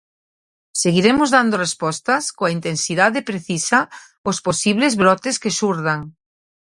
Seguiremos dando respostas, coa intensidade precisa, aos posibles brotes que xurdan.